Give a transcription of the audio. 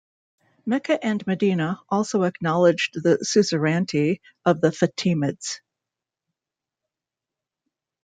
Mecca and Medina also acknowledged the suzerainty of the Fatimids.